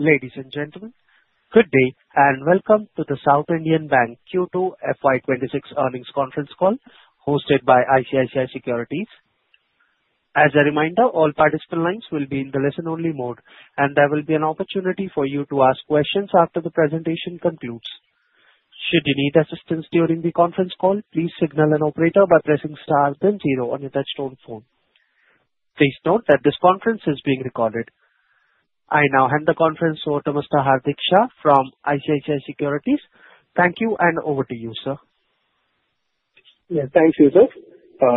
Ladies and gentlemen, good day and welcome to the South Indian Bank Q2 FY 2026 Earnings Conference Call hosted by ICICI Securities. As a reminder, all participant lines will be in the listen-only mode, and there will be an opportunity for you to ask questions after the presentation concludes. Should you need assistance during the conference call, please signal an operator by pressing star then zero on your touch-tone phone. Please note that this conference is being recorded. I now hand the conference over to Mr. Hardik Shah from ICICI Securities. Thank you, and over to you, sir. Yes, thank you, sir.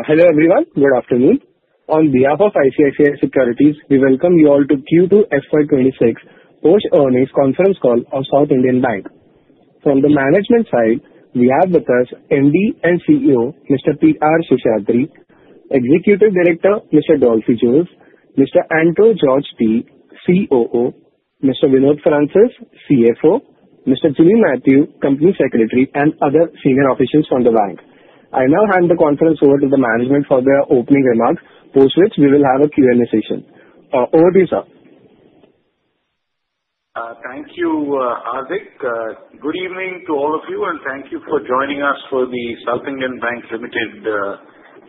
Hello everyone, good afternoon. On behalf of ICICI Securities, we welcome you all to Q2 FY 2026 Post-Earnings Conference Call of South Indian Bank. From the management side, we have with us MD and CEO Mr. P.R. Seshadri, Executive Director Mr. Dolphy Jose, Mr. Anto George T., COO, Mr. Vinod Francis, CFO, Mr. Jimmy Mathew, Company Secretary, and other senior officials from the bank. I now hand the conference over to the management for their opening remarks, post which we will have a Q&A session. Over to you, sir. Thank you, Hardik. Good evening to all of you, and thank you for joining us for the South Indian Bank Limited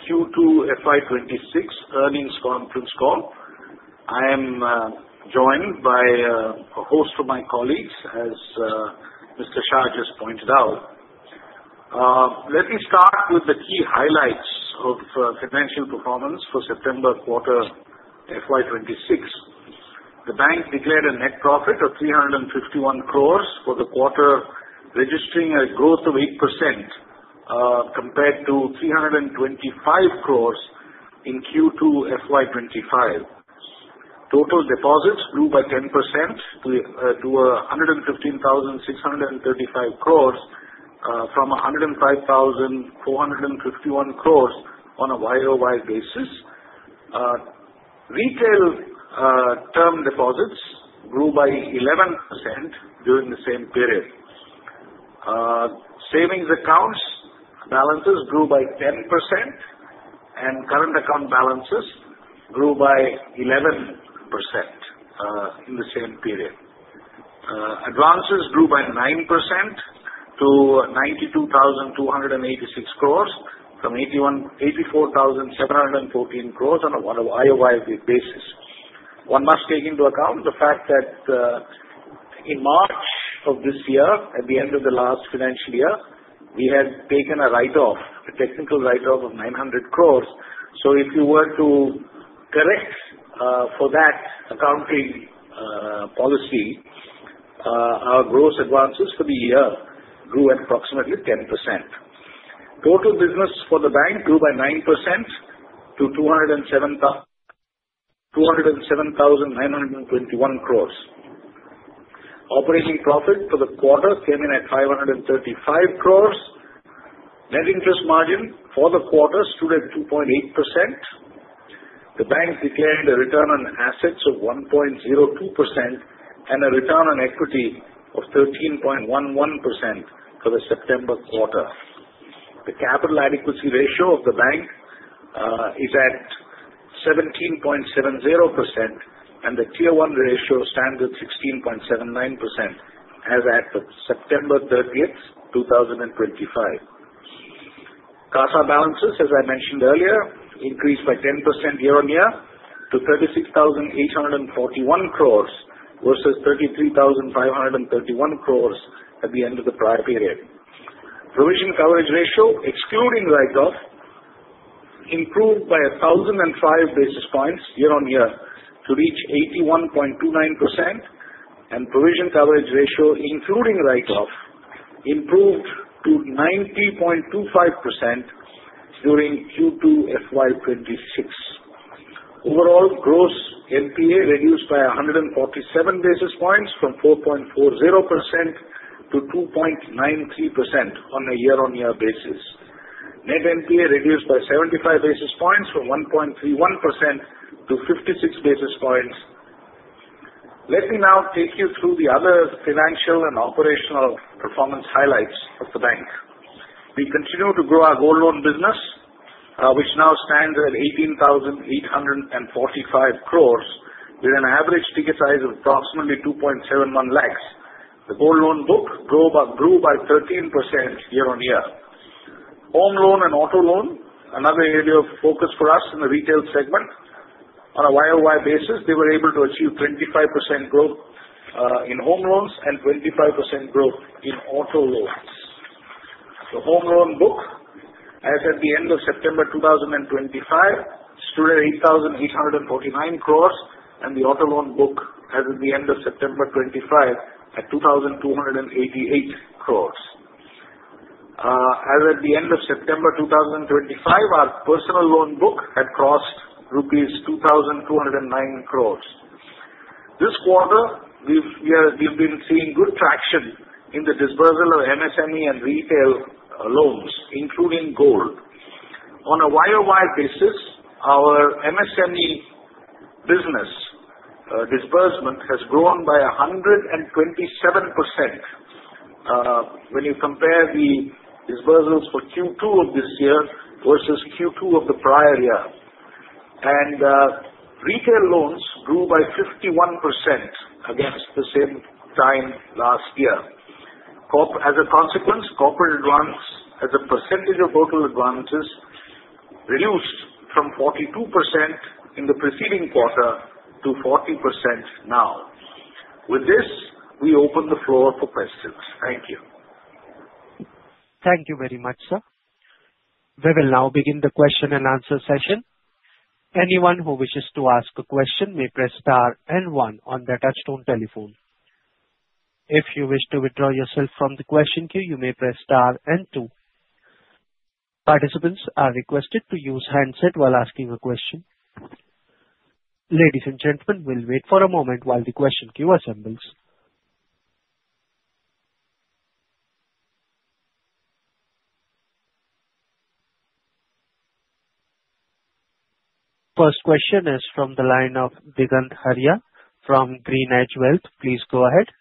Q2 FY 2026 Earnings Conference Call. I am joined by a host of my colleagues, as Mr. Shah just pointed out. Let me start with the key highlights of financial performance for September quarter FY 2026. The bank declared a net profit of 351 crores for the quarter, registering a growth of 8% compared to 325 crores in Q2 FY 2025. Total deposits grew by 10% to 115,635 crores from 105,451 crores on a YOY basis. Retail term deposits grew by 11% during the same period. Savings accounts balances grew by 10%, and current account balances grew by 11% in the same period. Advances grew by 9% to 92,286 crores from 84,714 crores on a YOY basis. One must take into account the fact that in March of this year, at the end of the last financial year, we had taken a write-off, a technical write-off of 900 crores. So if you were to correct for that accounting policy, our gross advances for the year grew at approximately 10%. Total business for the bank grew by 9% to 207,921 crores. Operating profit for the quarter came in at 535 crores. Net interest margin for the quarter stood at 2.8%. The bank declared a return on assets of 1.02% and a return on equity of 13.11% for the September quarter. The capital adequacy ratio of the bank is at 17.70%, and the Tier 1 ratio stands at 16.79% as of September 30th, 2025. CASA balances, as I mentioned earlier, increased by 10% year-on-year to 36,841 crores versus 33,531 crores at the end of the prior period. Provision coverage ratio, excluding write-off, improved by 1,005 basis points year-on-year to reach 81.29%, and provision coverage ratio, including write-off, improved to 90.25% during Q2 FY 2026. Overall, gross NPA reduced by 147 basis points from 4.40% to 2.93% on a year-on-year basis. Net NPA reduced by 75 basis points from 1.31% to 56 basis points. Let me now take you through the other financial and operational performance highlights of the bank. We continue to grow our gold loan business, which now stands at 18,845 crores, with an average ticket size of approximately 2.71 lakhs. The gold loan book grew by 13% year on year. Home loan and auto loan, another area of focus for us in the retail segment. On a YOY basis, they were able to achieve 25% growth in home loans and 25% growth in auto loans. The home loan book, as at the end of September 2025, stood at 8,849 crores, and the auto loan book as at the end of September 2025 at 2,288 crores. As at the end of September 2025, our personal loan book had crossed ₹2,209 crores. This quarter, we've been seeing good traction in the disbursal of MSME and retail loans, including gold. On a YOY basis, our MSME business disbursement has grown by 127% when you compare the disbursals for Q2 of this year versus Q2 of the prior year. And retail loans grew by 51% against the same time last year. As a consequence, corporate advances, as a percentage of total advances, reduced from 42% in the preceding quarter to 40% now. With this, we open the floor for questions. Thank you. Thank you very much, sir. We will now begin the question and answer session. Anyone who wishes to ask a question may press star and one on their touch-tone telephone. If you wish to withdraw yourself from the question queue, you may press star and two. Participants are requested to use handset while asking a question. Ladies and gentlemen, we'll wait for a moment while the question queue assembles. First question is from the line of Digant Haria from GreenEdge Wealth. Please go ahead.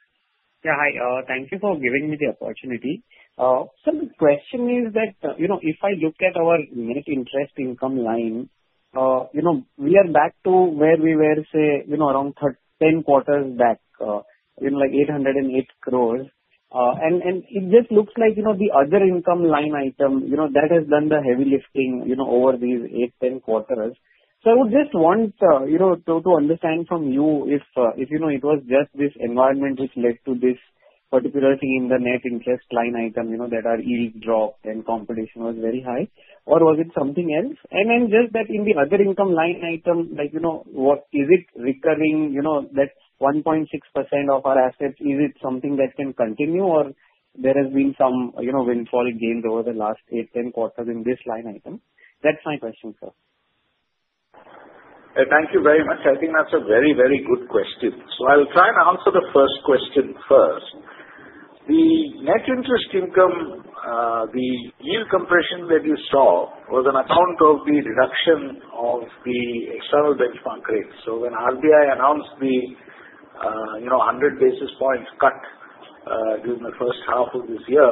Yeah, hi. Thank you for giving me the opportunity. So the question is that if I look at our net interest income line, we are back to where we were, say, around 10 quarters back, like 808 crores. And it just looks like the other income line item that has done the heavy lifting over these 8, 10 quarters. So I would just want to understand from you if it was just this environment which led to this particular thing in the net interest line item that our yield dropped and competition was very high, or was it something else? And then just that in the other income line item, is it recurring that 1.6% of our assets? Is it something that can continue, or there has been some windfall gains over the last 8, 10 quarters in this line item? That's my question, sir. Thank you very much. I think that's a very, very good question. So I'll try and answer the first question first. The net interest income, the yield compression that you saw was on account of the reduction of the external benchmark rate. So when RBI announced the 100 basis point cut during the first half of this year,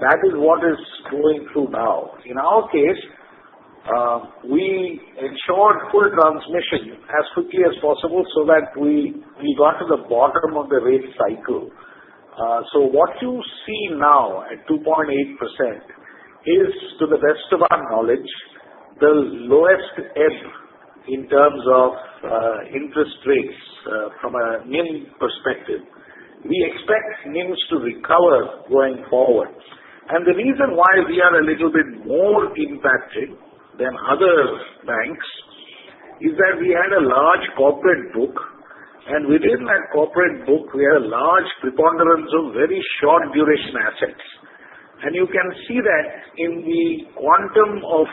that is what is going through now. In our case, we ensured full transmission as quickly as possible so that we got to the bottom of the rate cycle. So what you see now at 2.8% is, to the best of our knowledge, the lowest ever in terms of interest rates from a NIM perspective. We expect NIMs to recover going forward. And the reason why we are a little bit more impacted than other banks is that we had a large corporate book, and within that corporate book, we had a large preponderance of very short-duration assets. And you can see that in the quantum of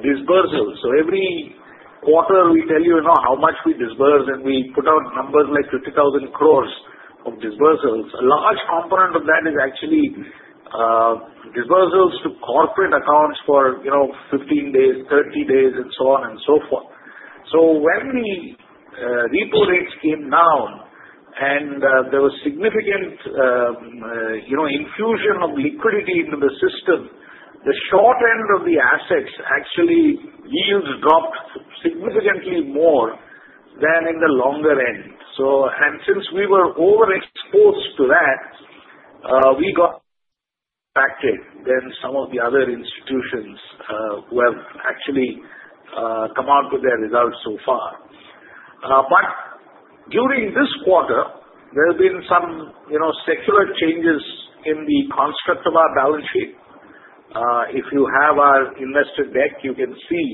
disbursals. So every quarter, we tell you how much we disburse, and we put out numbers like 50,000 crores of disbursals. A large component of that is actually disbursals to corporate accounts for 15 days, 30 days, and so on and so forth. So when the repo rates came down and there was significant infusion of liquidity into the system, the short end of the assets actually yields dropped significantly more than in the longer end. So since we were overexposed to that, we got impacted than some of the other institutions who have actually come out with their results so far. During this quarter, there have been some secular changes in the construct of our balance sheet. If you have our investor deck, you can see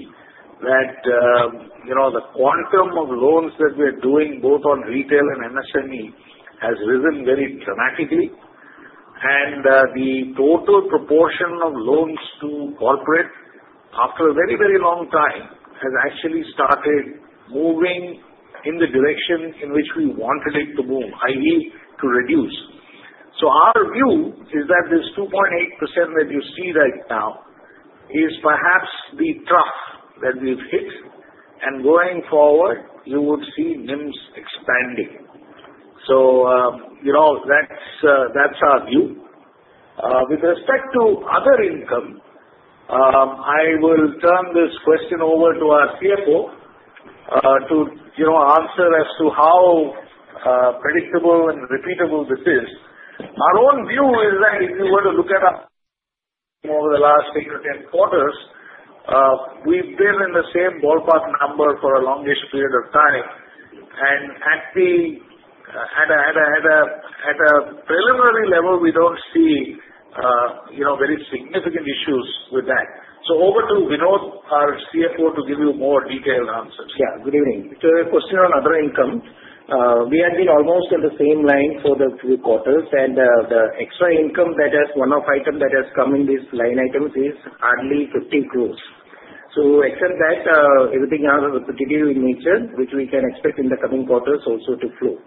that the quantum of loans that we are doing both on retail and MSME has risen very dramatically. The total proportion of loans to corporate after a very, very long time has actually started moving in the direction in which we wanted it to move, i.e., to reduce. Our view is that this 2.8% that you see right now is perhaps the trough that we've hit. Going forward, you would see NIMs expanding. That's our view. With respect to other income, I will turn this question over to our CFO to answer as to how predictable and repeatable this is. Our own view is that if you were to look at our over the last eight to 10 quarters, we've been in the same ballpark number for a longish period of time, and at a preliminary level, we don't see very significant issues with that, so over to Vinod, our CFO, to give you more detailed answers. Yeah, good evening. So a question on other income. We had been almost on the same line for the three quarters. And the extra income that has one of item that has come in these line items is hardly 500 million. So except that, everything else is continuing in nature, which we can expect in the coming quarters also to flow.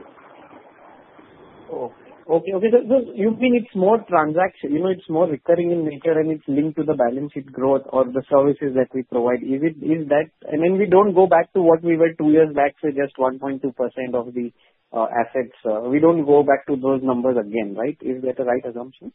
Okay. Okay. So you mean it's more transaction. It's more recurring in nature, and it's linked to the balance sheet growth or the services that we provide. And then we don't go back to what we were two years back, say, just 1.2% of the assets. We don't go back to those numbers again, right? Is that a right assumption?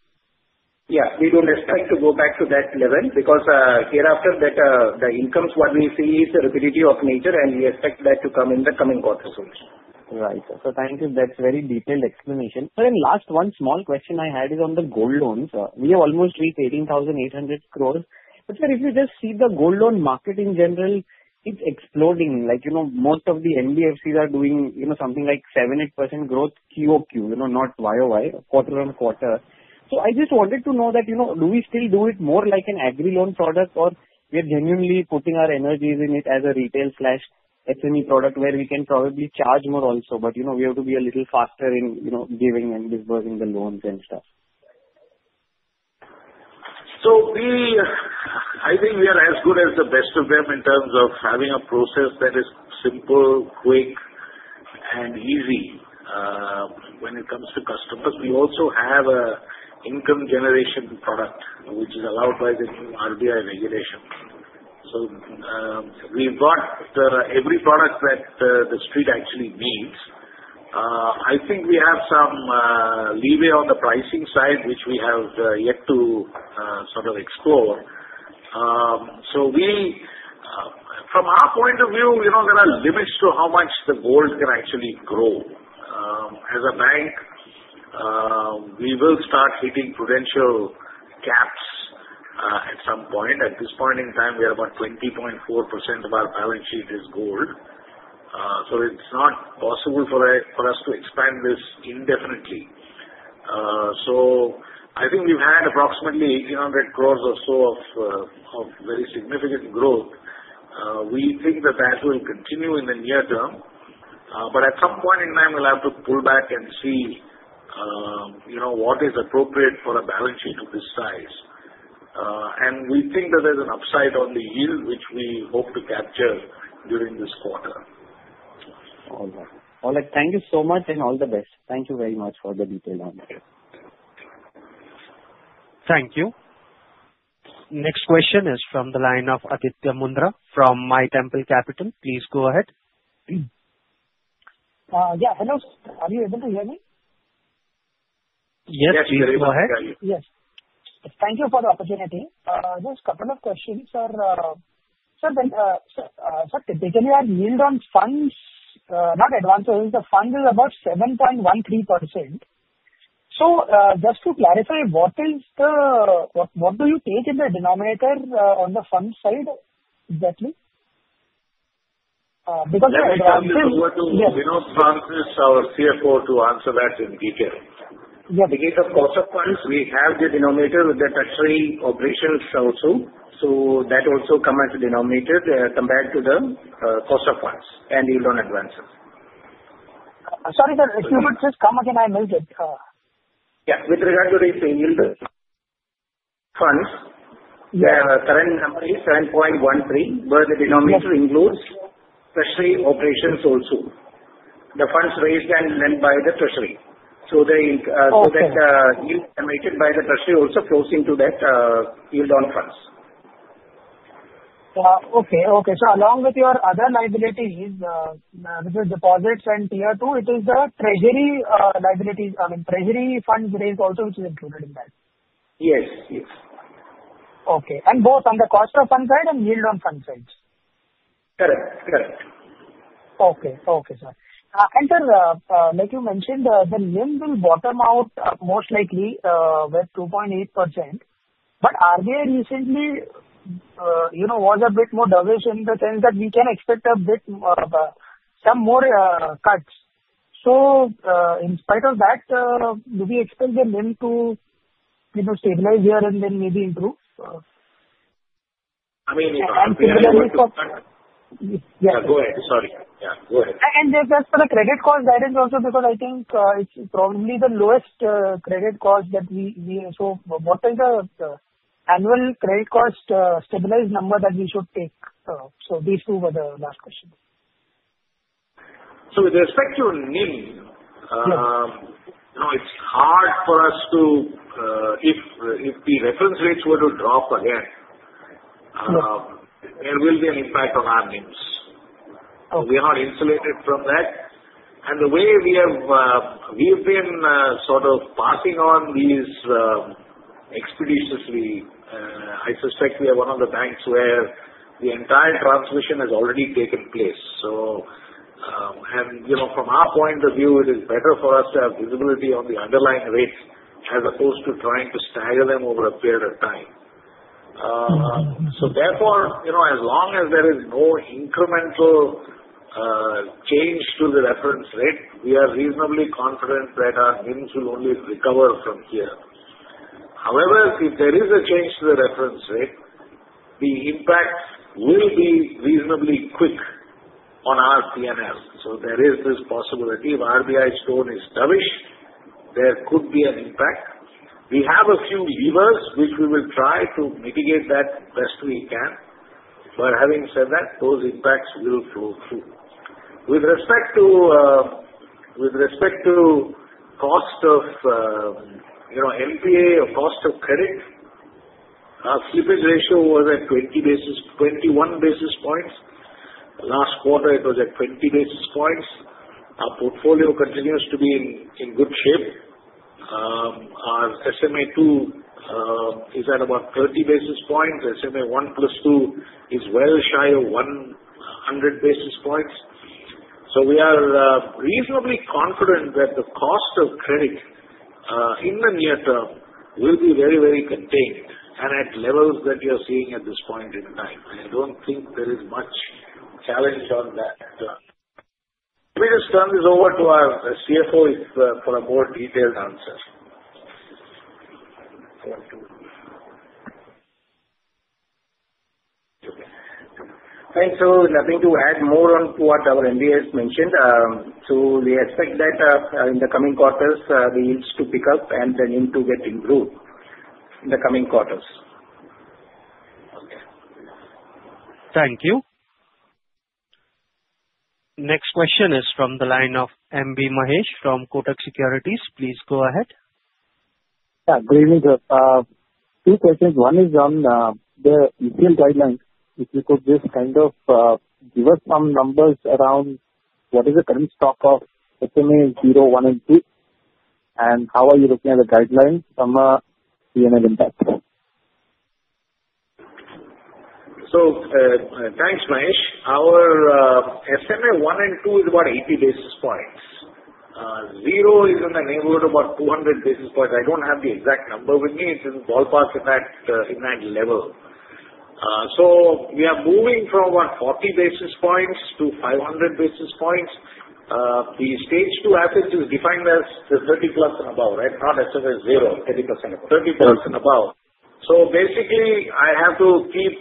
Yeah. We don't expect to go back to that level because hereafter, the incomes, what we see is the rapidity of nature, and we expect that to come in the coming quarters also. Right. So thank you. That's a very detailed explanation. Sir, and last one small question I had is on the gold loans. We have almost reached 18,800 crores. But sir, if you just see the gold loan market in general, it's exploding. Most of the NBFCs are doing something like 7%-8% growth QOQ, not YOY, quarter on quarter. So I just wanted to know that do we still do it more like an agri loan product, or we are genuinely putting our energies in it as a retail/SME product where we can probably charge more also? But we have to be a little faster in giving and disbursing the loans and stuff. So I think we are as good as the best of them in terms of having a process that is simple, quick, and easy when it comes to customers. We also have an income generation product, which is allowed by the new RBI regulation. So we've got every product that the street actually needs. I think we have some leeway on the pricing side, which we have yet to sort of explore. So from our point of view, there are limits to how much the gold can actually grow. As a bank, we will start hitting prudential caps at some point. At this point in time, we are about 20.4% of our balance sheet is gold. So it's not possible for us to expand this indefinitely. So I think we've had approximately 1,800 crores or so of very significant growth. We think that that will continue in the near term. At some point in time, we'll have to pull back and see what is appropriate for a balance sheet of this size. We think that there's an upside on the yield, which we hope to capture during this quarter. All right. Thank you so much and all the best. Thank you very much for the detailed answers. Thank you. Next question is from the line of Aditya Mundra from Mytemple Capital. Please go ahead. Yeah. Hello. Are you able to hear me? Yes. Go ahead. Yes. Thank you for the opportunity. Just a couple of questions. Sir, typically, our yield on funds, not advances, the fund is about 7.13%. So just to clarify, what do you take in the denominator on the fund side exactly? Yes. We don't promise our CFO to answer that in detail. Yeah. In the case of cost of funds, we have the denominator with the treasury operations also. So that also comes as a denominator compared to the cost of funds and yield on advances. Sorry, sir, if you could just come again. I missed it. Yeah. With regard to the yield funds, the current number is 7.13, where the denominator includes treasury operations also. The funds raised and lent by the treasury. So that yield generated by the treasury also flows into that yield on funds. Okay. Along with your other liabilities, which is deposits and Tier 2, it is the treasury liabilities. I mean, treasury funds raised also, which is included in that. Yes. Yes. Okay, and both on the cost of funds side and yield on funds side. Correct. Correct. Okay. Okay, sir. And sir, like you mentioned, the NIM will bottom out most likely with 2.8%. But RBI recently was a bit more dovish in the sense that we can expect some more cuts. So in spite of that, do we expect the NIM to stabilize here and then maybe improve? Go ahead. Sorry. Yeah. Go ahead. And just for the credit cost, that is also because I think it's probably the lowest credit cost that we saw, so what is the annual credit cost stabilized number that we should take? So these two were the last questions. So with respect to NIM, you know, it's hard for us too. If the reference rates were to drop again, there will be an impact on our NIMs. We are not insulated from that, and the way we've been sort of passing on these expeditiously. I suspect we are one of the banks where the entire transmission has already taken place, so from our point of view, it is better for us to have visibility on the underlying rates as opposed to trying to stagger them over a period of time, so therefore, as long as there is no incremental change to the reference rate, we are reasonably confident that our NIMs will only recover from here. However, if there is a change to the reference rate, the impact will be reasonably quick on our P&L, so there is this possibility. If RBI's tone is dovish, there could be an impact. We have a few levers, which we will try to mitigate that best we can. But having said that, those impacts will flow through. With respect to cost of NPA or cost of credit, our slippage ratio was at 21 basis points. Last quarter, it was at 20 basis points. Our portfolio continues to be in good shape. Our SMA 2 is at about 30 basis points. SMA 1 plus 2 is well shy of 100 basis points. So we are reasonably confident that the cost of credit in the near term will be very, very contained and at levels that you're seeing at this point in time. I don't think there is much challenge on that. Let me just turn this over to our CFO for a more detailed answer. Okay. Nothing to add more on what our MD has mentioned. We expect that in the coming quarters, the yields to pick up and the NIM to get improved in the coming quarters. Okay. Thank you. Next question is from the line of M.B. Mahesh from Kotak Securities. Please go ahead. Yeah. Good evening, sir. Two questions. One is on the retail guidelines. If you could just kind of give us some numbers around what is the current stock of SMA 0, 1 and 2, and how are you looking at the guidelines from a P&L impact? So thanks, Mahesh. Our SMA 1 and 2 is about 80 basis points. 0 is in the neighborhood of about 200 basis points. I don't have the exact number with me. It's in ballpark in that level. So we are moving from about 40 basis points to 500 basis points. The stage two asset is defined as the 30 plus and above, right? Not SMA 0, 30% above. 30 plus and above. So basically, I have to keep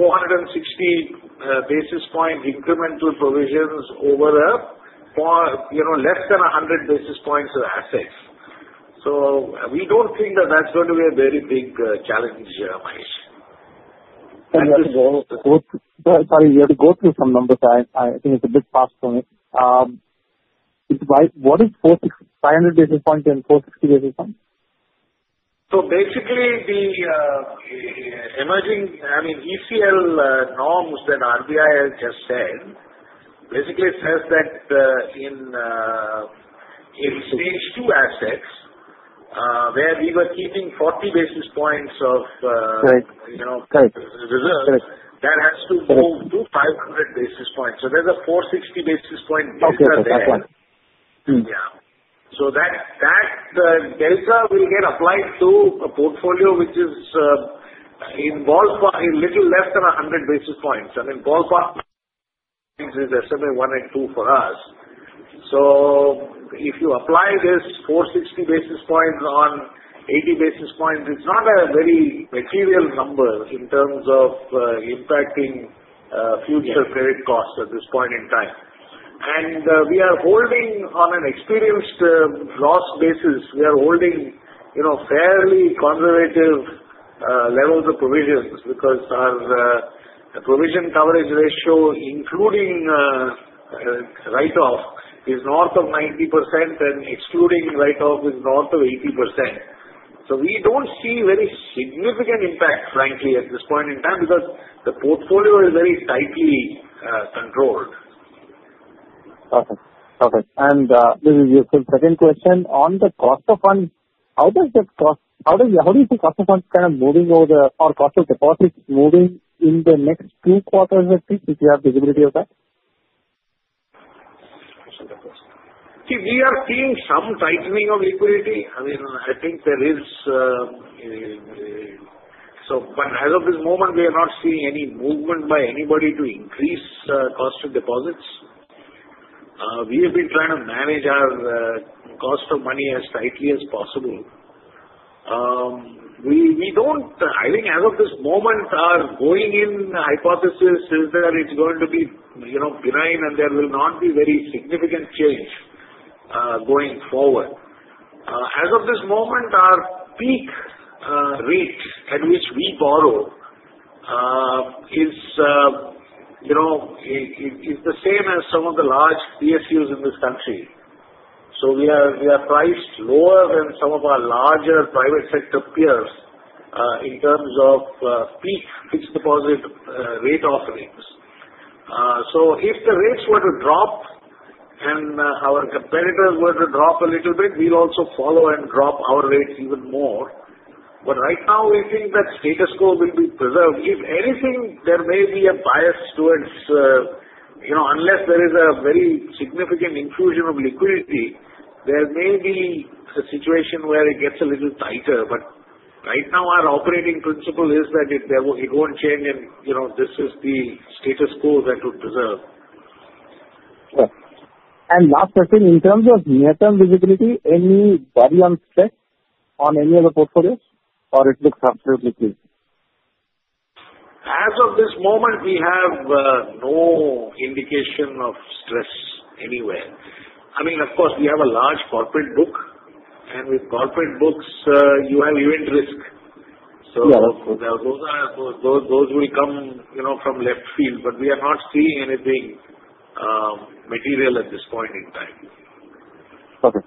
460 basis points incremental provisions over less than 100 basis points of assets. So we don't think that that's going to be a very big challenge, Mahesh. Just going to, sorry. We have to go through some numbers. I think it's a bit fast for me. What is 500 basis points and 460 basis points? So basically, the emerging, I mean, ECL norms that RBI has just said basically says that in stage two assets, where we were keeping 40 basis points of reserves, that has to move to 500 basis points. So there's a 460 basis point delta there. Yeah. So that delta will get applied to a portfolio which is involved in a little less than 100 basis points. I mean, ballpark is SMA 1 and 2 for us. So if you apply this 460 basis points on 80 basis points, it's not a very material number in terms of impacting future credit costs at this point in time. And we are holding on an incurred loss basis. We are holding fairly conservative levels of provisions because our provision coverage ratio, including write-off, is north of 90%, and excluding write-off is north of 80%. So we don't see very significant impact, frankly, at this point in time because the portfolio is very tightly controlled. Okay. And this is your second question. On the cost of funds, how do you see cost of funds kind of moving or cost of deposits moving in the next two quarters, at least, if you have visibility of that? See, we are seeing some tightening of liquidity. I mean, I think there is so but as of this moment, we are not seeing any movement by anybody to increase cost of deposits. We have been trying to manage our cost of money as tightly as possible. We don't, I think, as of this moment, our going-in hypothesis is that it's going to be benign, and there will not be very significant change going forward. As of this moment, our peak rate at which we borrow is the same as some of the large PSUs in this country. So we are priced lower than some of our larger private sector peers in terms of peak fixed deposit rate offerings. So if the rates were to drop and our competitors were to drop a little bit, we'll also follow and drop our rates even more. But right now, we think that status quo will be preserved. If anything, there may be a bias towards unless there is a very significant infusion of liquidity, there may be a situation where it gets a little tighter. But right now, our operating principle is that it won't change, and this is the status quo that we'll preserve. Okay. And last question. In terms of near-term visibility, any worry on stress on any of the portfolios, or it looks absolutely clean? As of this moment, we have no indication of stress anywhere. I mean, of course, we have a large corporate book, and with corporate books, you have event risk. So those will come from left field. But we are not seeing anything material at this point in time. Okay.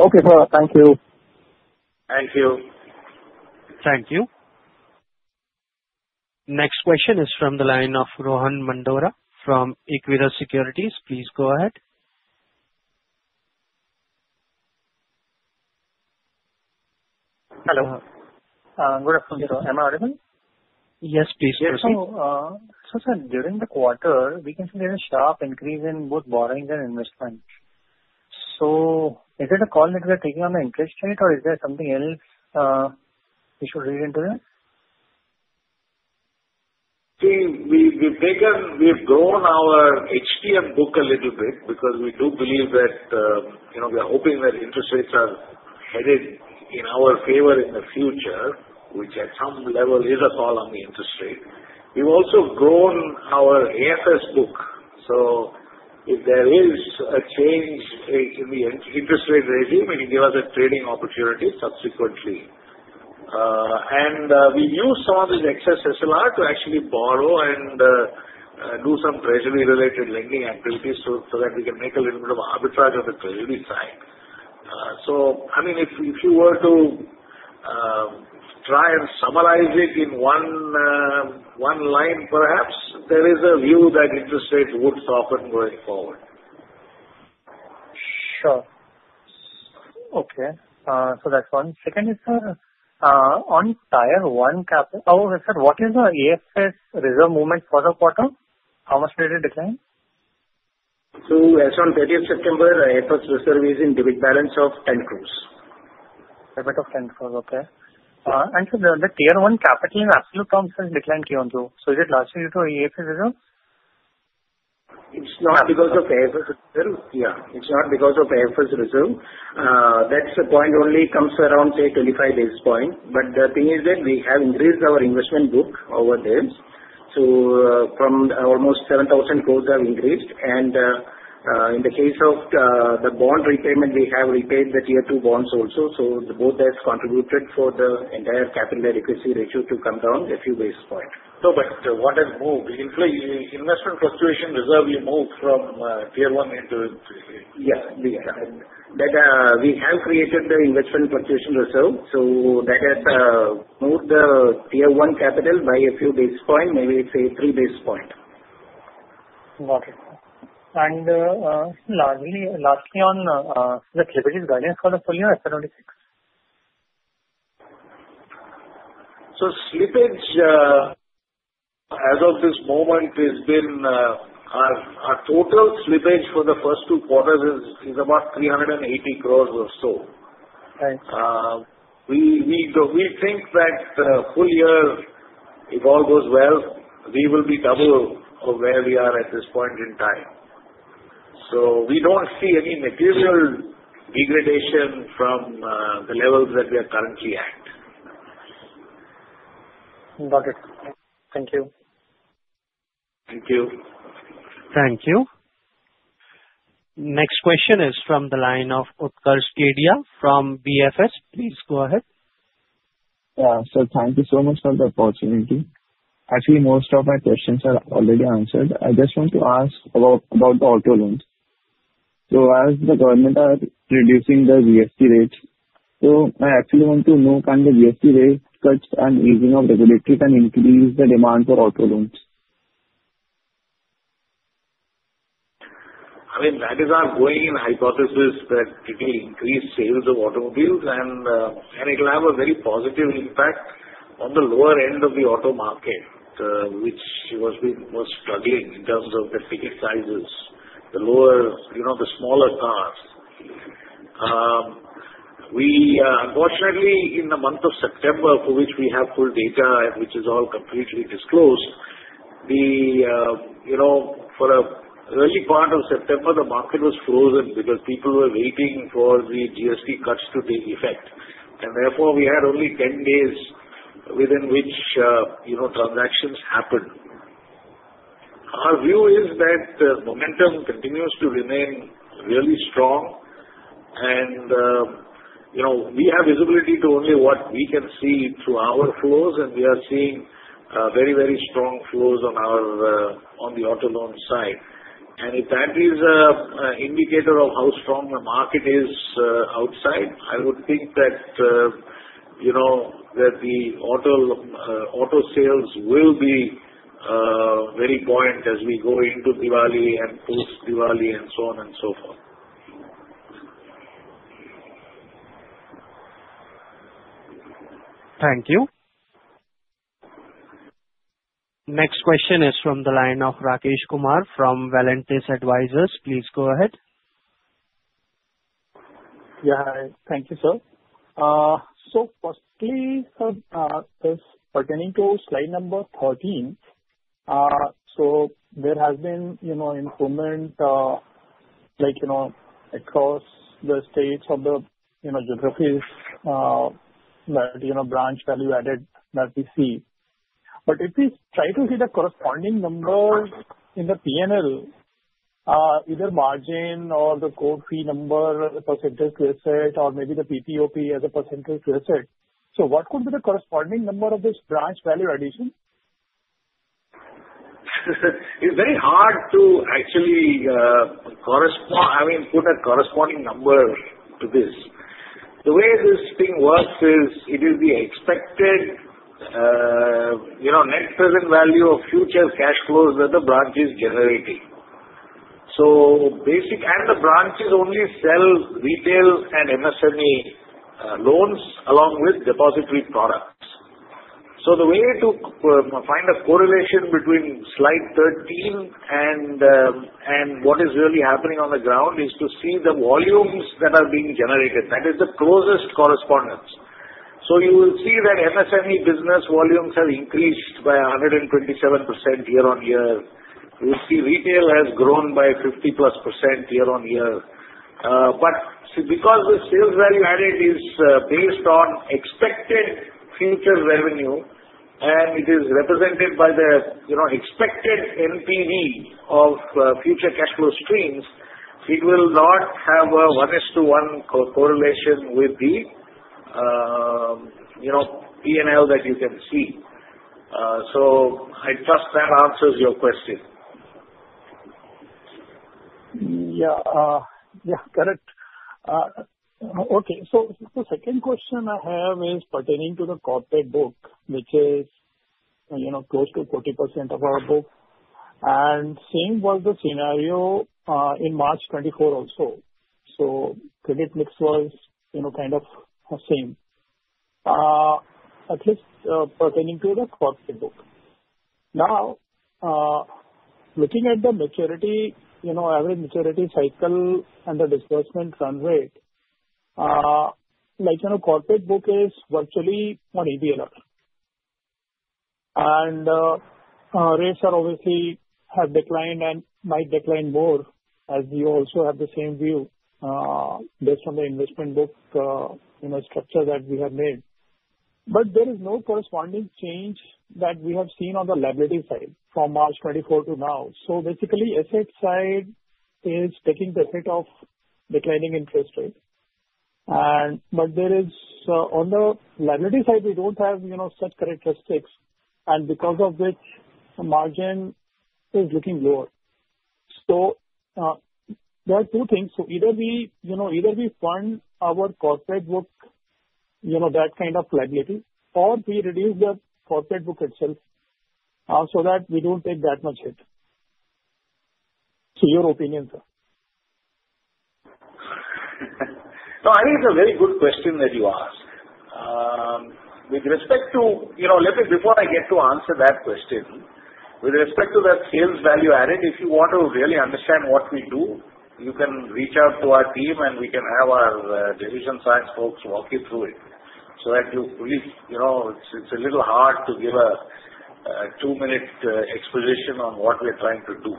Okay, sir. Thank you. Thank you. Thank you. Next question is from the line of Rohan Mandora from Equirus Securities. Please go ahead. Hello. I'm good. I'm good. Am I audible? Yes, please proceed. So, sir, during the quarter, we can see there is a sharp increase in both borrowings and investments. So is it a call that we are taking on the interest rate, or is there something else we should read into that? See, we've grown our HTM book a little bit because we do believe that we are hoping that interest rates are headed in our favor in the future, which at some level is a call on the interest rate. We've also grown our AFS book, so if there is a change in the interest rate regime, it will give us a trading opportunity subsequently, and we use some of this excess SLR to actually borrow and do some treasury-related lending activities so that we can make a little bit of arbitrage on the treasury side, so, I mean, if you were to try and summarize it in one line, perhaps there is a view that interest rates would soften going forward. Sure. Okay. So that's one. Second is, sir, on Tier 1 Capital, oh, sir, what is the AFS reserve movement for the quarter? How much did it decline? As of 30th September, AFS reserve is in debit balance of 10 crores. Debt of 10 crores. Okay. And sir, the Tier 1 capital in absolute terms has declined to 12. So is it largely due to AFS reserve? It's not because of AFS reserve. Yeah. It's not because of AFS reserve. That's the point only comes around, say, 25 basis points. But the thing is that we have increased our investment book over there. So from almost 7,000 crores, we have increased. And in the case of the bond repayment, we have repaid the Tier 2 bonds also. So both have contributed for the entire capital adequacy ratio to come down a few basis points. No, but what has moved? Investment Fluctuation Reserve will move from Tier 1 into. Yes. We have created the Investment Fluctuation Reserve. So that has moved the Tier 1 Capital by a few basis points, maybe, say, three basis points. Got it. And lastly, on the slippage guidance for the full year 2026? So, slippage, as of this moment, has been. Our total slippage for the first two quarters is about 380 crores or so. We think that the full year, if all goes well, we will be double where we are at this point in time. So, we don't see any material degradation from the levels that we are currently at. Got it. Thank you. Thank you. Thank you. Next question is from the line of Utkarsh Kedia from BFS. Please go ahead. Yeah. Sir, thank you so much for the opportunity. Actually, most of my questions are already answered. I just want to ask about the auto loans. So as the government are reducing the GST rates, so I actually want to know can the GST rate cuts and easing of regulatory can increase the demand for auto loans? I mean, that is our going-in hypothesis that it will increase sales of automobiles, and it will have a very positive impact on the lower end of the auto market, which was struggling in terms of the ticket sizes, the smaller cars. Unfortunately, in the month of September, for which we have full data, which is all completely disclosed, for the early part of September, the market was frozen because people were waiting for the GST cuts to take effect, and therefore we had only 10 days within which transactions happened. Our view is that the momentum continues to remain really strong, and we have visibility to only what we can see through our flows, and we are seeing very, very strong flows on the auto loan side. If that is an indicator of how strong the market is outside, I would think that the auto sales will be very buoyant as we go into Diwali and post-Diwali and so on and so forth. Thank you. Next question is from the line of Rakesh Kumar from Valentis Advisors. Please go ahead. Yeah. Thank you, sir. So firstly, sir, pertaining to slide number 13, so there has been improvement across the states of the geographies that branch value added that we see. But if we try to see the corresponding numbers in the P&L, either margin or the core fee number as a percentage to asset or maybe the PPOP as a percentage to asset, so what could be the corresponding number of this branch value addition? It's very hard to actually put a corresponding number to this. The way this thing works is it is the expected net present value of future cash flows that the branch is generating. And the branch is only selling retail and MSME loans along with depository products. So the way to find a correlation between slide 13 and what is really happening on the ground is to see the volumes that are being generated. That is the closest correspondence. So you will see that MSME business volumes have increased by 127% year on year. You will see retail has grown by 50-plus% year on year. But because the sales value added is based on expected future revenue, and it is represented by the expected NPV of future cash flow streams, it will not have a 1:1 correlation with the P&L that you can see. So I trust that answers your question. Yeah. Yeah. Got it. Okay, so the second question I have is pertaining to the corporate book, which is close to 40% of our book, and the same was the scenario in March 2024 also, so the credit mix was kind of the same, at least pertaining to the corporate book. Now, looking at the maturity, average maturity cycle, and the disbursement run rate, the corporate book is virtually on EBLR, and the rates are obviously have declined and might decline more as we also have the same view based on the investment book structure that we have made, but there is no corresponding change that we have seen on the liability side from March 2024 to now. Basically, the asset side is taking the effect of declining interest rate, but on the liability side, we don't have such characteristics, and because of which the margin is looking lower, so there are two things. So either we fund our corporate book, that kind of liability, or we reduce the corporate book itself so that we don't take that much hit. So your opinion, sir? No, I think it's a very good question that you asked. With respect to, let me, before I get to answer that question, with respect to that sales value added, if you want to really understand what we do, you can reach out to our team, and we can have our decision science folks walk you through it so that you at least it's a little hard to give a two-minute exposition on what we are trying to do.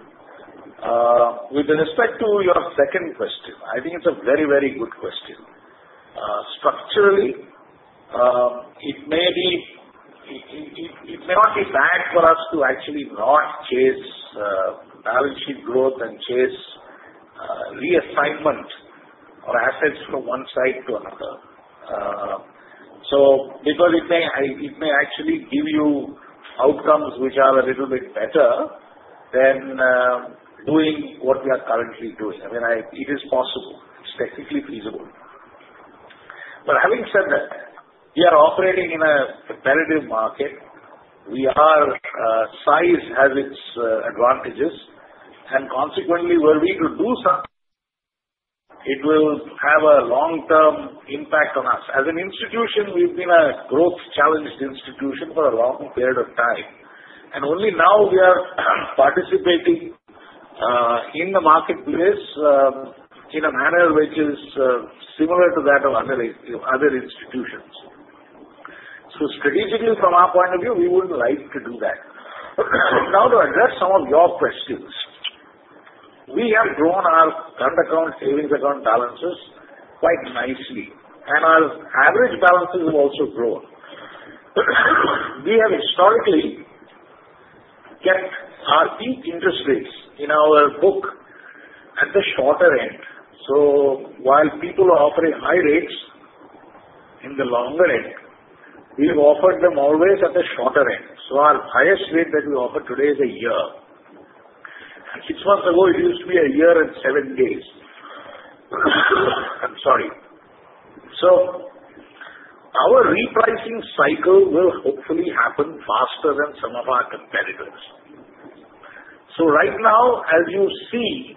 With respect to your second question, I think it's a very, very good question. Structurally, it may not be bad for us to actually not chase balance sheet growth and chase reassignment of assets from one side to another. So, because it may actually give you outcomes which are a little bit better than doing what we are currently doing. I mean, it is possible. It's technically feasible. But having said that, we are operating in a competitive market. Size has its advantages. And consequently, were we to do something, it will have a long-term impact on us. As an institution, we've been a growth-challenged institution for a long period of time. And only now we are participating in the marketplace in a manner which is similar to that of other institutions. So strategically, from our point of view, we wouldn't like to do that. Now, to address some of your questions, we have grown our current account, savings account balances quite nicely, and our average balances have also grown. We have historically kept our peak interest rates in our book at the shorter end. So while people are offering high rates in the longer end, we've offered them always at the shorter end. So our highest rate that we offer today is a year. Six months ago, it used to be a year and seven days. I'm sorry, so our repricing cycle will hopefully happen faster than some of our competitors, so right now, as you see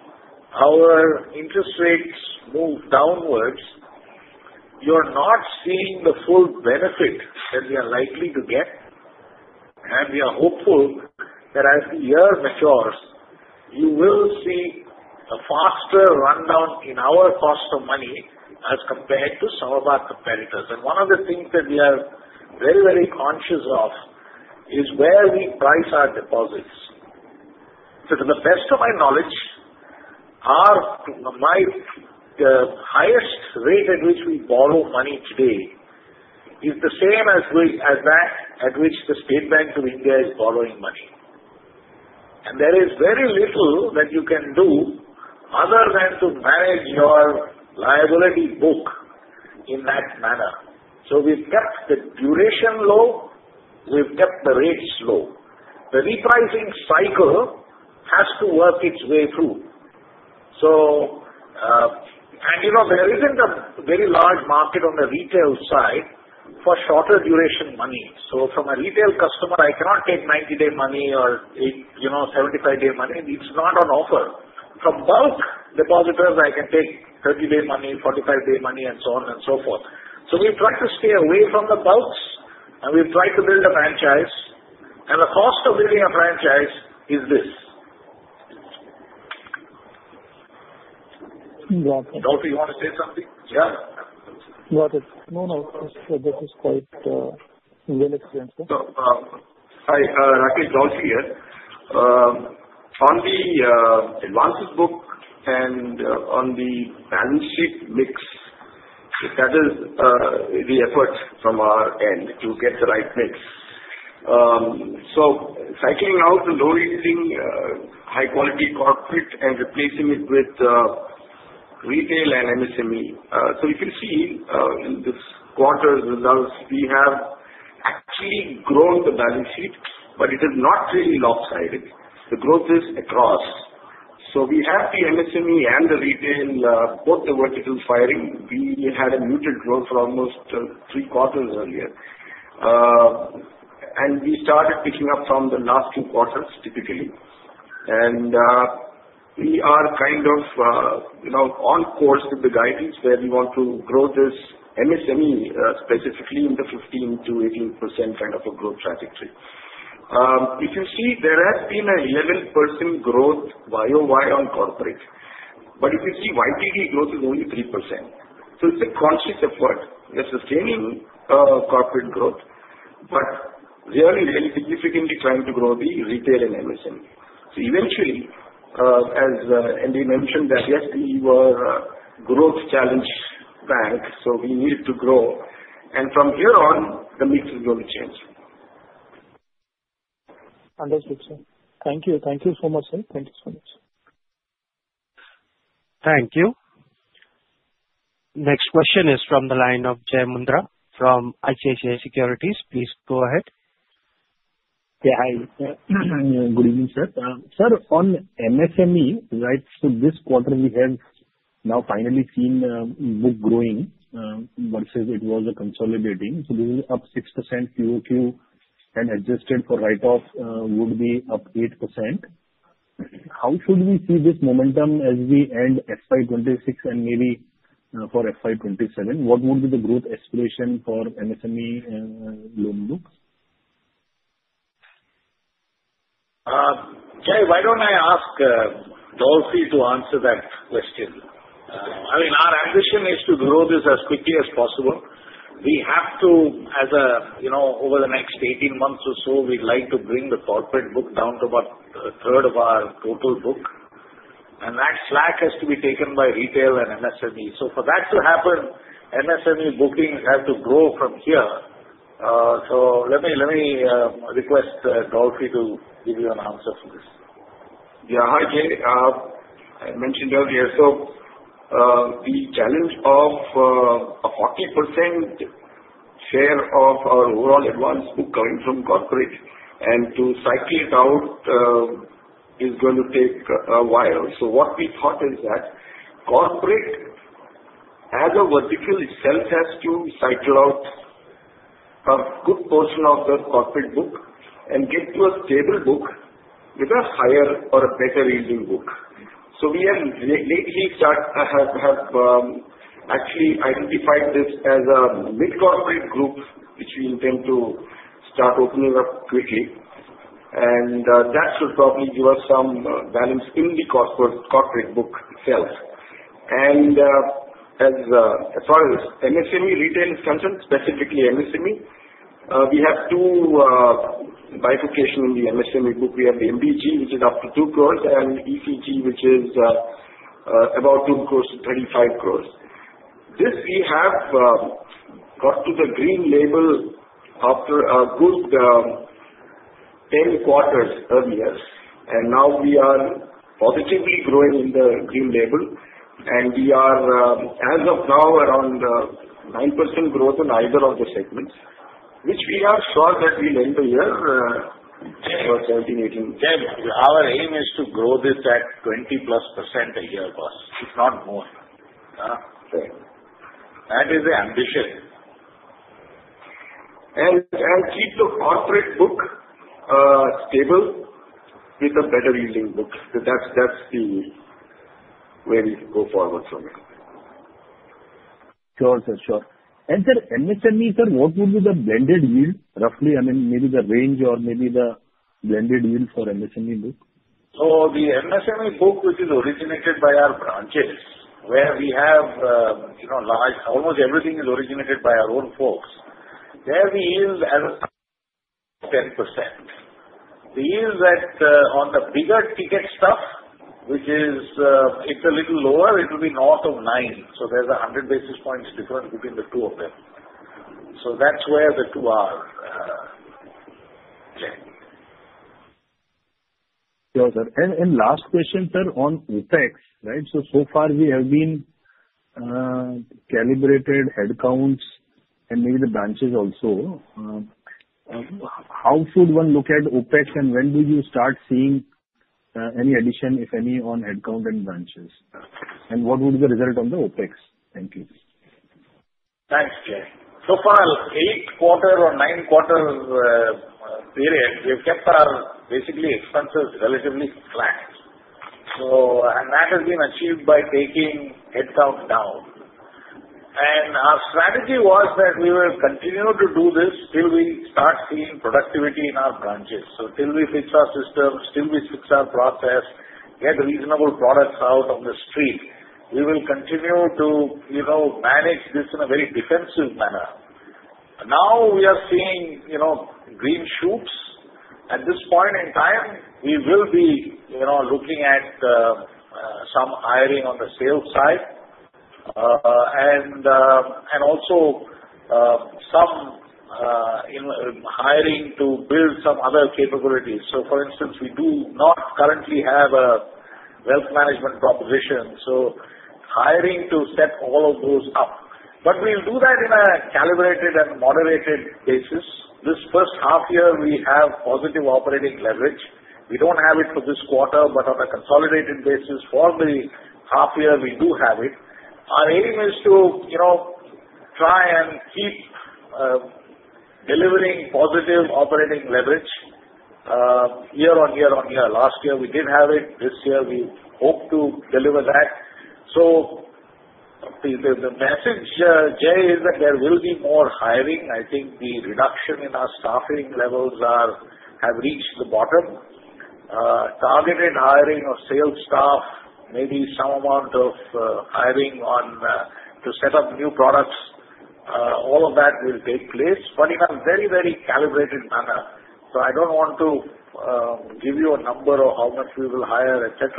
our interest rates move downwards, you are not seeing the full benefit that we are likely to get, and we are hopeful that as the year matures, you will see a faster rundown in our cost of money as compared to some of our competitors, and one of the things that we are very, very conscious of is where we price our deposits. To the best of my knowledge, the highest rate at which we borrow money today is the same as that at which the State Bank of India is borrowing money, and there is very little that you can do other than to manage your liability book in that manner. So we've kept the duration low. We've kept the rates low. The repricing cycle has to work its way through. And there isn't a very large market on the retail side for shorter duration money. So from a retail customer, I cannot take 90-day money or 75-day money. It's not on offer. From bulk depositors, I can take 30-day money, 45-day money, and so on and so forth. So we've tried to stay away from the bulks, and we've tried to build a franchise. And the cost of building a franchise is this. Dolphy, you want to say something? Yeah. Got it. No, no. This is quite well explained. So Rakesh, Dolphy here. On the advances book and on the balance sheet mix, that is the effort from our end to get the right mix. So cycling out the low-yielding, high-quality corporate and replacing it with retail and MSME. So you can see in this quarter's results, we have actually grown the balance sheet, but it is not really lopsided. The growth is across. So we have the MSME and the retail, both the vertical firing. We had a muted growth for almost three quarters earlier. And we started picking up from the last two quarters, typically. And we are kind of on course with the guidance where we want to grow this MSME specifically in the 15%-18% kind of a growth trajectory. If you see, there has been a 11% growth YOY on corporate. But if you see, YTD growth is only 3%. So it's a conscious effort. We are sustaining corporate growth, but really, really significantly trying to grow the retail and MSME. So eventually, as Andy mentioned, that yes, we were a growth challenge bank, so we needed to grow. And from here on, the mix is going to change. Understood, sir. Thank you. Thank you so much, sir. Thank you so much. Thank you. Next question is from the line of Jai Mundhra from ICICI Securities. Please go ahead. Yeah. Hi. Good evening, sir. Sir, on MSME, right, so this quarter, we have now finally seen the book growing versus it was consolidating. So this is up 6%. POQ and adjusted for write-off would be up 8%. How should we see this momentum as we end FY 2026 and maybe for FY 2027? What would be the growth aspiration for MSME loan books? Jai, why don't I ask Dolphy to answer that question? I mean, our ambition is to grow this as quickly as possible. We have to, over the next 18 months or so, we'd like to bring the corporate book down to about a third of our total book, and that slack has to be taken by retail and MSME. So for that to happen, MSME bookings have to grow from here. So let me request Dolphy to give you an answer for this. Yeah. Hi, Jai. I mentioned earlier, so the challenge of a 40% share of our overall advance book coming from corporate and to cycle it out is going to take a while. So what we thought is that corporate, as a vertical itself, has to cycle out a good portion of the corporate book and get to a stable book with a higher or a better-yielding book. We have lately started to have actually identified this as a mid-corporate group, which we intend to start opening up quickly. That should probably give us some balance in the corporate book itself. As far as MSME retail is concerned, specifically MSME, we have two bifurcations in the MSME book. We have the MBG, which is up to 2 crores, and ECG, which is about 2 crores to 35 crores. This we have got to the green label after a good 10 quarters earlier. Now we are positively growing in the green label. We are, as of now, around 9% growth in either of the segments, which we are sure that we'll end the year for 17%-18%. Jai, our aim is to grow this at 20-plus% a year, boss. It's not more. That is the ambition. And keep the corporate book stable with a better-yielding book. That's the way we go forward from it. Sure, sir. Sure. And sir, MSME, sir, what would be the blended yield, roughly? I mean, maybe the range or maybe the blended yield for MSME book? So the MSME folk, which is originated by our branches, where we have large, almost everything is originated by our own folks, there we yield as of 10%. The yield on the bigger ticket stuff, which is, it's a little lower, it will be north of 9. So there's 100 basis points difference between the two of them. So that's where the two are. Sure, sir. And last question, sir, on OpEx, right? So far, we have been calibrated headcounts and maybe the branches also. How should one look at OpEx, and when do you start seeing any addition, if any, on headcount and branches? And what would be the result on the OpEx? Thank you. Thanks, Jai. So far, eight-quarter or nine-quarter period, we've kept our basically expenses relatively flat. And that has been achieved by taking headcount down. Our strategy was that we will continue to do this till we start seeing productivity in our branches. Till we fix our system, still we fix our process, get reasonable products out on the street, we will continue to manage this in a very defensive manner. Now we are seeing green shoots. At this point in time, we will be looking at some hiring on the sales side and also some hiring to build some other capabilities. For instance, we do not currently have a wealth management proposition. Hiring to set all of those up. But we'll do that in a calibrated and moderated basis. This first half year, we have positive operating leverage. We don't have it for this quarter, but on a consolidated basis for the half year, we do have it. Our aim is to try and keep delivering positive operating leverage year on year on year. Last year, we did have it. This year, we hope to deliver that. So the message, Jai, is that there will be more hiring. I think the reduction in our staffing levels have reached the bottom. Targeted hiring of sales staff, maybe some amount of hiring to set up new products, all of that will take place, but in a very, very calibrated manner. So I don't want to give you a number of how much we will hire, etc.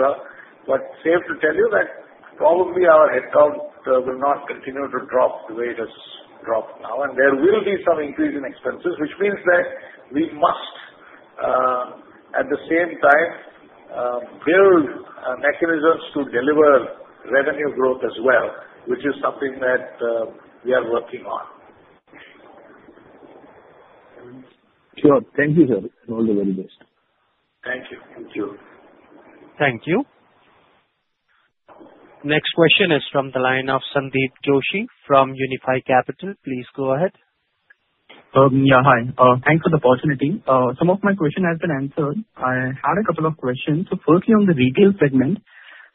But safe to tell you that probably our headcount will not continue to drop the way it has dropped now. There will be some increase in expenses, which means that we must, at the same time, build mechanisms to deliver revenue growth as well, which is something that we are working on. Sure. Thank you, sir. All the very best. Thank you. Thank you. Thank you. Next question is from the line of Sandeep Joshi from Unifi Capital. Please go ahead. Yeah. Hi. Thanks for the opportunity. Some of my questions have been answered. I had a couple of questions, firstly on the retail segment.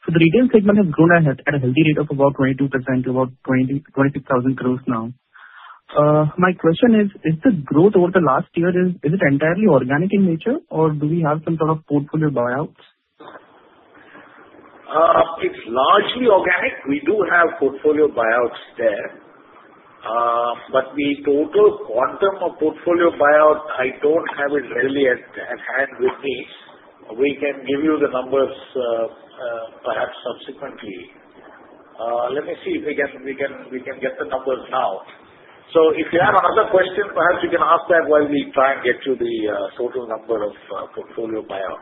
So the retail segment has grown at a healthy rate of about 22% to about 26,000 crores now. My question is, is the growth over the last year, is it entirely organic in nature, or do we have some sort of portfolio buyouts? It's largely organic. We do have portfolio buyouts there. But the total quantum of portfolio buyout, I don't have it readily at hand with me. We can give you the numbers perhaps subsequently. Let me see if we can get the numbers now. So if you have another question, perhaps you can ask that while we try and get to the total number of portfolio buyout.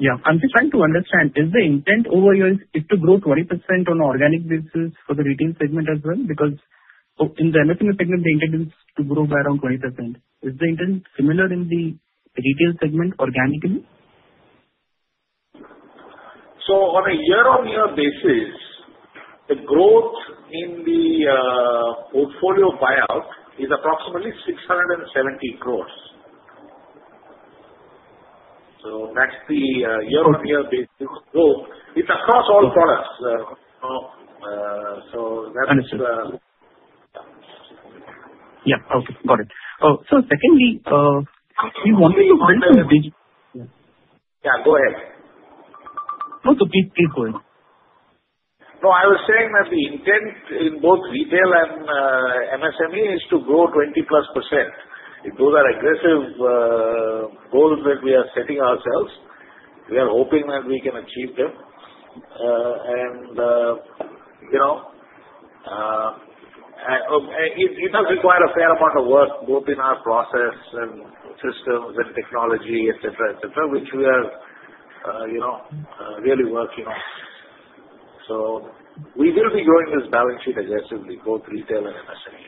Yeah. I'm just trying to understand. Is the intent over here to grow 20% on an organic basis for the retail segment as well? Because in the MSME segment, the intent is to grow by around 20%. Is the intent similar in the retail segment organically? So on a year-on-year basis, the growth in the portfolio buyout is approximately 670 crores. So that's the year-on-year basis. It's across all products. So that's. Yeah. Okay. Got it. So secondly, we wanted to. Yeah. Go ahead. No, keep going. No, I was saying that the intent in both retail and MSME is to grow 20+%. Those are aggressive goals that we are setting ourselves. We are hoping that we can achieve them. And it does require a fair amount of work, both in our process and systems and technology, etc., etc., which we are really working on. So we will be growing this balance sheet aggressively, both retail and MSME.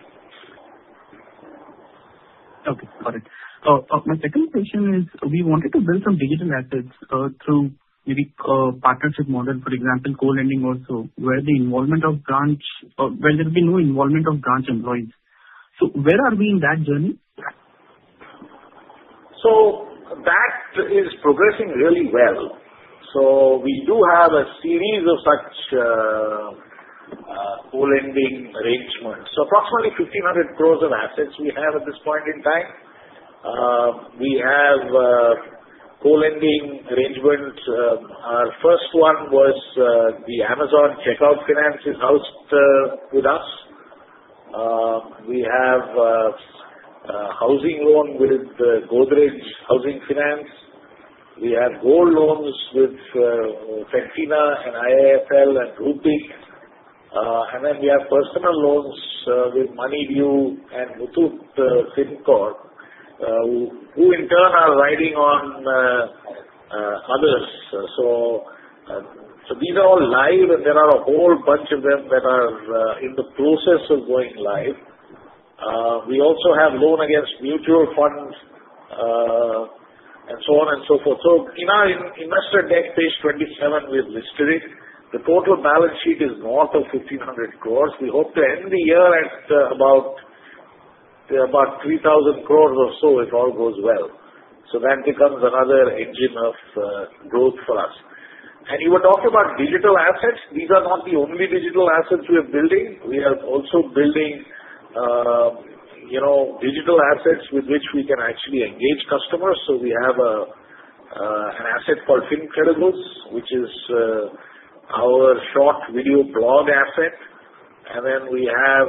Okay. Got it. My second question is, we wanted to build some digital assets through maybe a partnership model, for example, co-lending also, where the involvement of branch or where there will be no involvement of branch employees. So where are we in that journey? That is progressing really well. We do have a series of such co-lending arrangements. Approximately 1,500 crores of assets we have at this point in time. We have co-lending arrangements. Our first one was the Amazon Checkout Finance is housed with us. We have a housing loan with Godrej Housing Finance. We have gold loans with Fedfina and IIFL and Rupeek. And then we have personal loans with Moneyview and Muthoot Fincorp, who in turn are riding on others. These are all live, and there are a whole bunch of them that are in the process of going live. We also have loan against mutual funds and so on and so forth. In our investor deck page 27, we have listed it. The total balance sheet is north of 1,500 crores. We hope to end the year at about 3,000 crores or so if all goes well, so that becomes another engine of growth for us, and you were talking about digital assets. These are not the only digital assets we are building. We are also building digital assets with which we can actually engage customers, so we have an asset called FinCredibles, which is our short video blog asset, and then we have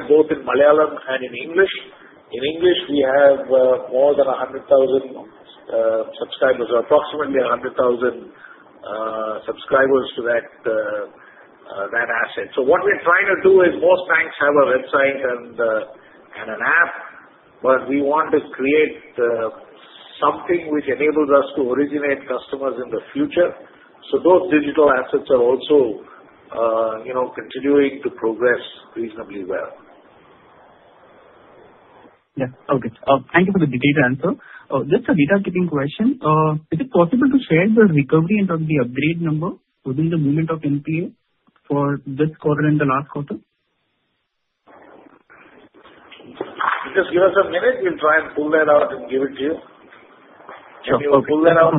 it both in Malayalam and in English. In English, we have more than 100,000 subscribers or approximately 100,000 subscribers to that asset, so what we're trying to do is most banks have a website and an app, but we want to create something which enables us to originate customers in the future, so those digital assets are also continuing to progress reasonably well. Yeah. Okay. Thank you for the detailed answer. Just a data-keeping question. Is it possible to share the recovery and the upgrade number within the movement of NPA for this quarter and the last quarter? Just give us a minute. We'll try and pull that out and give it to you. We'll pull that out.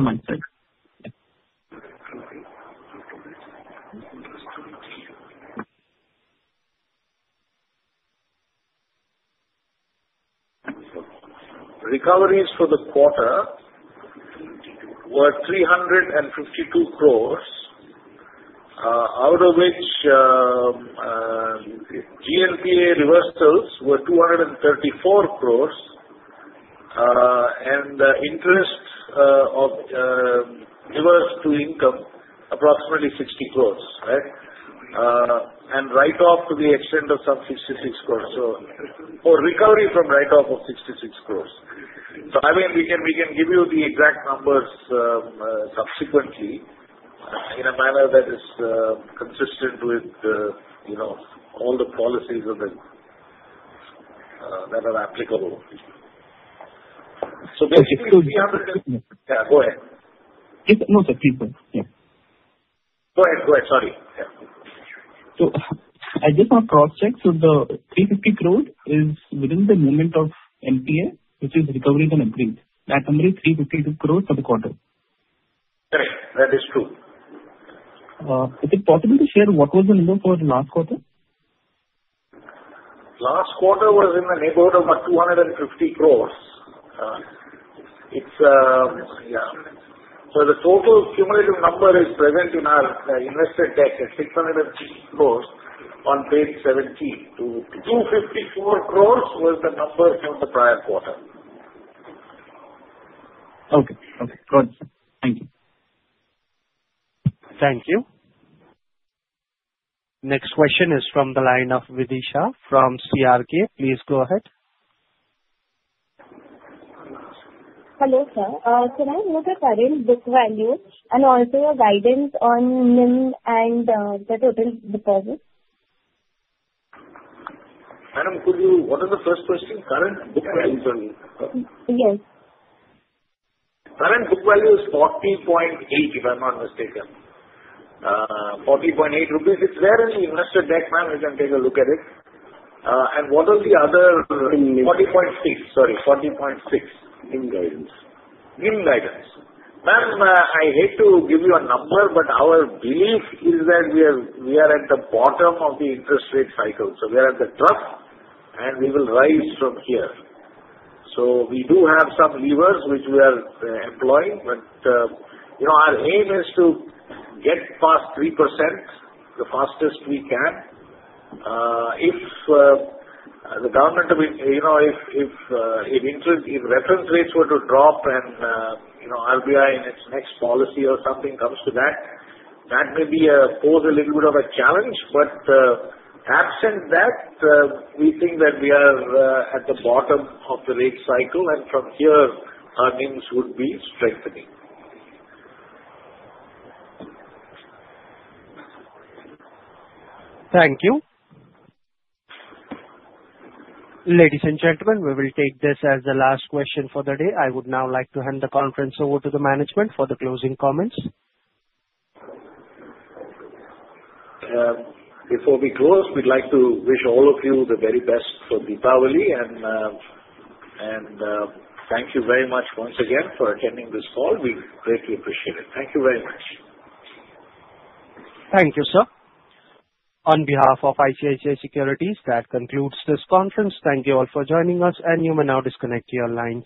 Recoveries for the quarter were 352 crores, out of which GNPA reversals were 234 crores, and the interest reversal to income, approximately 60 crores, right? And write-off to the extent of some 66 crores. So for recovery from write-off of 66 crores. So I mean, we can give you the exact numbers subsequently in a manner that is consistent with all the policies that are applicable. So basically. Please go ahead. Yeah. Go ahead. No, sir. Please go ahead. Yeah. Go ahead. Sorry. Yeah. I just want to cross-check. The 350 crores is within the movement of NPA, which is recovery and upgrade. That's only 352 crores for the quarter. Correct. That is true. Is it possible to share what was the number for the last quarter? Last quarter was in the neighborhood of about 250 crores. Yeah. So the total cumulative number is present in our investor deck at 650 crores on page 17. 254 crores was the number for the prior quarter. Okay. Okay. Got it, sir. Thank you. Thank you. Next question is from the line of Vidhi Shah from CNK. Please go ahead. Hello, sir. Can I know the current book value and also a guidance on NIM and the total deposit? Madam, could you, what is the first question? Current book value is on? Yes. Current book value is 40.8, if I'm not mistaken. 40.8 rupees. It's there in the investor debt plan. We can take a look at it. And what are the other? 40.6. Sorry. 40.6. NIM guidance. NIM guidance. Ma'am, I hate to give you a number, but our belief is that we are at the bottom of the interest rate cycle. So we are at the drop, and we will rise from here. So we do have some levers which we are employing, but our aim is to get past 3% the fastest we can. If the government, if interest rates were to drop and RBI in its next policy or something comes to that, that may pose a little bit of a challenge. But absent that, we think that we are at the bottom of the rate cycle, and from here, earnings would be strengthening. Thank you. Ladies and gentlemen, we will take this as the last question for the day. I would now like to hand the conference over to the management for the closing comments. Before we close, we'd like to wish all of you the very best for Deepavali and thank you very much once again for attending this call. We greatly appreciate it. Thank you very much. Thank you, sir. On behalf of ICICI Securities, that concludes this conference. Thank you all for joining us, and you may now disconnect your line.